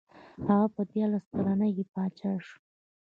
هغه په دیارلس کلنۍ کې پاچا شو.